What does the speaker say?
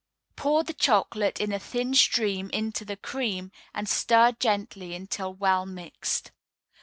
Pour the chocolate in a thin stream into the cream, and stir gently until well mixed.